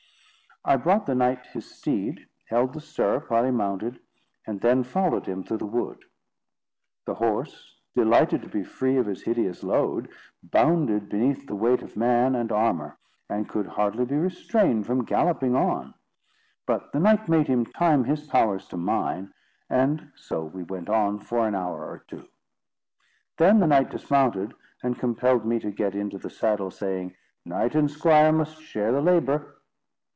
I brought the knight his steed, held the stirrup while he mounted, and then followed him through the wood. The horse, delighted to be free of his hideous load, bounded beneath the weight of man and armour, and could hardly be restrained from galloping on. But the knight made him time his powers to mine, and so we went on for an hour or two. Then the knight dismounted, and compelled me to get into the saddle, saying: "Knight and squire must share the labour."